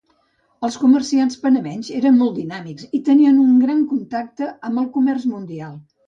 Els comerciants panamenys eren molt dinàmics i tenien un gran contacte amb el comerç mundial.